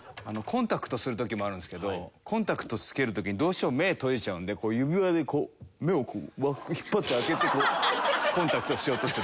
コンタクトする時もあるんですけどコンタクトつける時にどうしても目閉じちゃうので指輪でこう目をこう引っ張って開けてコンタクトをしようとする。